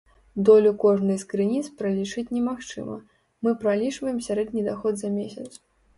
Долю кожнай з крыніц пралічыць немагчыма, мы пралічваем сярэдні даход за месяц.